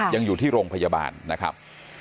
ยังอยู่ที่โรงพยาบาลนะครับ